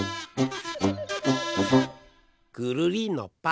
くるりんのぱ！